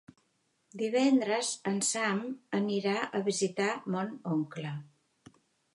Divendres en Sam anirà a visitar mon oncle.